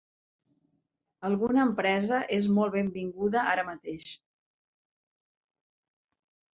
Alguna empresa és molt benvinguda ara mateix.